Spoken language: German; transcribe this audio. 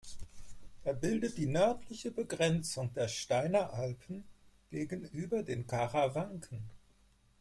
Er bildet die nördliche Begrenzung der Steiner Alpen gegenüber den Karawanken.